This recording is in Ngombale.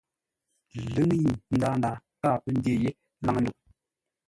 Ləŋəi ndaa káa pə́ ndyé yé laŋə́-ndə̂u.